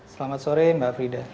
selamat sore mbak frida